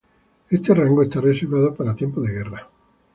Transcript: Este rango está reservado para tiempos de guerra.